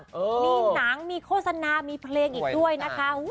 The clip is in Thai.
มีหนังมีโฆษณามีเพลงอีกด้วยนะคะ